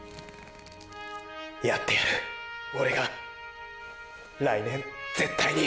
やってやるオレが来年絶対にーー。